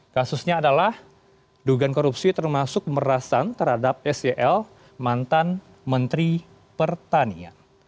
kasusnya adalah dugaan korupsi termasuk pemerasan terhadap sel mantan menteri pertanian